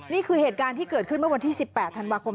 นี่คือเหตุการณ์ที่เกิดขึ้นเมื่อวันที่๑๘ธันวาคม